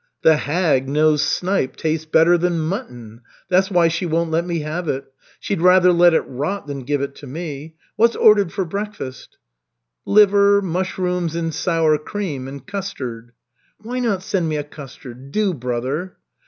The hag knows snipe tastes better than mutton. That's why she won't let me have it. She'd rather let it rot than give it to me. What's ordered for breakfast?" "Liver, mushrooms in sour cream, and custard." "Why not send me a custard? Do, brother."